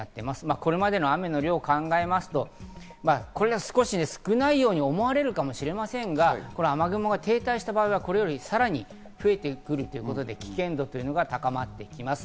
これまでの雨の量を考えますと、これは少ないように思われるかもしれませんが、雨雲が停滞した場合はこれよりさらに増えてくるということで危険度が高まってきます。